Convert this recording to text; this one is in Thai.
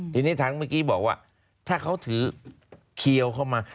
ทีนี้ทางเมื่อกี้บอกว่าถ้าเขาถือเขียวเข้ามา